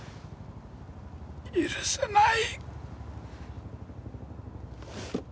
許さない！